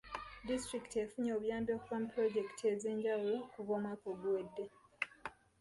Disitulikiti efunye obuyambi okuva mu pulojekiti ez'enjawulo okuva omwaka oguwedde.